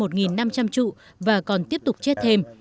một năm trăm linh trụ và còn tiếp tục chết thêm